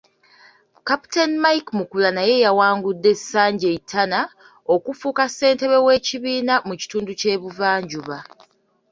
Captain Mike Mukula naye yawangudde Sanjay Tana okufuuka ssentebe w’ekibiina mu kitundu ky’e Buvanjuba.